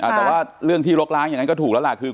แต่ว่าเรื่องที่ลกล้างอย่างนั้นก็ถูกแล้วล่ะคือ